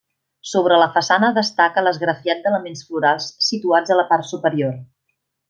Sobre la façana destaca l'esgrafiat d'elements florals situats a la part superior.